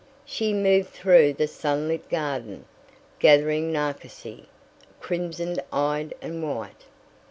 She moved through the sunlit garden, gathering narcissi, crimson eyed and white.